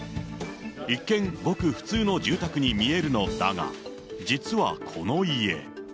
一見、ごく普通の住宅に見えるのだが、実はこの家。